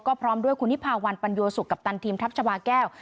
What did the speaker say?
ก็พร้อมด้วยคุณนิพาวันปัญโยสุกัปตันทีมทัพชาวาแก้ว